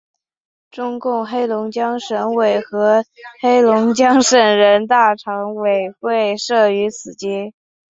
中共黑龙江省委和黑龙江省人大常委会设于此街。